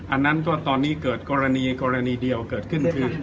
อันนั้นก็ตอนนี้เกิดกรณีกรณีเดียวเกิดขึ้นคือ